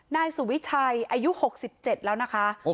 นายสุวิชัยอายุ๖๗แล้วนะคะ